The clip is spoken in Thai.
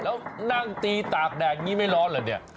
แล้วนั่งตีตากแดดอย่างนี้ไม่ร้อนเหรอเนี่ย